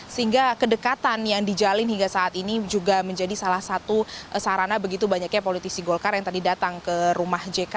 sehingga kedekatan yang dijalin hingga saat ini juga menjadi salah satu sarana begitu banyaknya politisi golkar yang tadi datang ke rumah jk